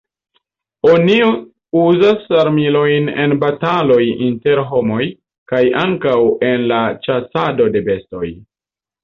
Oni uzas armilojn en bataloj inter homoj, kaj ankaŭ en la ĉasado de bestoj.